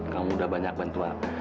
kamu udah banyak bantu aku